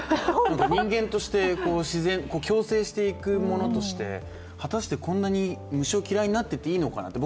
人間として共生していくものとして、果たして、こんなに虫を嫌いになってていいのかなって。